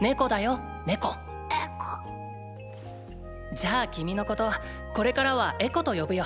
じゃあ君のことこれからはエコと呼ぶよ。